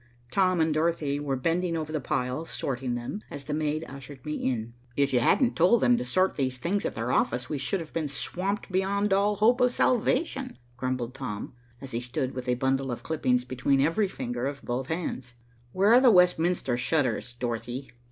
Tom and Dorothy were bending over the piles sorting them, as the maid ushered me in. "If you hadn't told them to sort these things at their office, we should have been swamped beyond all hope of salvation," grumbled Tom, as he stood with a bundle of clippings between every finger of both hands. "Where are the Westminster shutters, Dorothy?"